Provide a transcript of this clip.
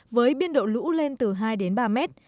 với biên độ lũ lên từ hai đến ba mét